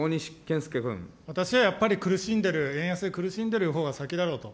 私やっぱり苦しんでいる、円安で苦しんでいるほうが先だろうと。